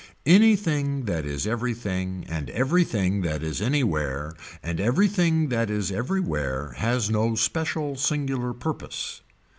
Anything that is everything and everything that is anywhere and everything that is everywhere has no special singular purpose.